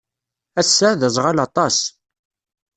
Ass-a, d aẓɣal aṭas.